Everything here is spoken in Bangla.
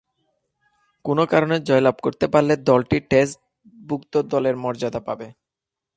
কোন কারণে জয়লাভ করতে পারলে দলটি টেস্টভূক্ত দলের মর্যাদা পাবে।